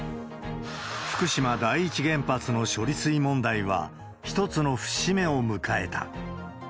福島第一原発の処理水問題は、一つの節目を迎えた。